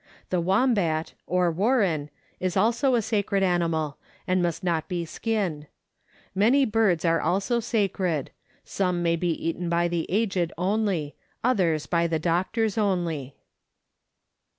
The wombat (or warren) is also a sacred animal, and must not be skinned. Many birds are also sacred ; some may be eaten by the aged only ; others by the doctors only.